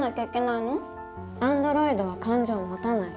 アンドロイドは感情を持たない。